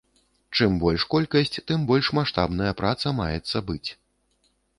Чым больш колькасць, тым больш маштабная праца маецца быць.